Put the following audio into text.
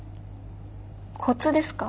コツですか。